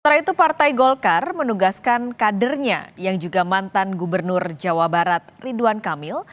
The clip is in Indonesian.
setelah itu partai golkar menugaskan kadernya yang juga mantan gubernur jawa barat ridwan kamil